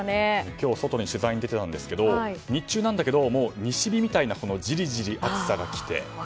今日、外に取材に出ていたんですが日中なんだけどもう西日みたいなじりじり暑さが来て。